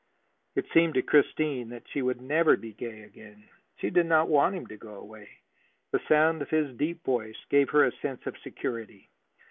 It seemed to Christine she would never be gay again. She did not want him to go away. The sound of his deep voice gave her a sense of security.